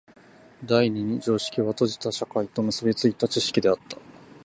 第二に常識は閉じた社会と結び付いた知識であった。